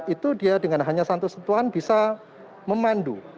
itu dia dengan hanya satu sentuhan bisa memandu